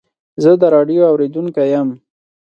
زه د راډیو اورېدونکی یم.